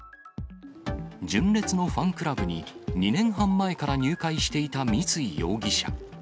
純烈のファンクラブに２年半前から入会していた三井容疑者。